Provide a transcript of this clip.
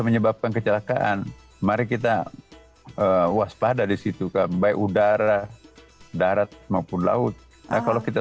menyebabkan kecelakaan mari kita waspada disitu kan baik udara darat maupun laut kalau kita